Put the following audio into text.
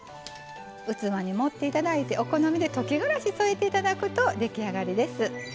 器に盛っていただいてお好みで溶きがらし添えていただくと出来上がりです。